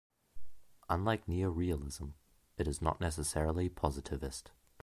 Unlike neo-realism, it is not necessarily positivist.